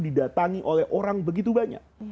didatangi oleh orang begitu banyak